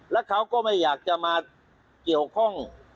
แล้วเขาก็ไม่อยากจะมาเกี่ยวข้อง